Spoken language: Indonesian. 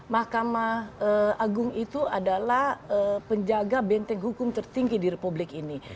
mahkamah agung itu adalah penjaga benteng hukum tertinggi di republik ini